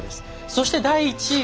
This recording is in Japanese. そして第１位は。